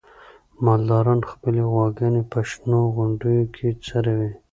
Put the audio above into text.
مالداران خپلې غواګانې په شنو غونډیو کې څروي.